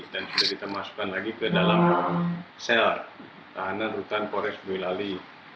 dan sudah kita masukkan lagi ke dalam sel tahanan hutan polres boyolali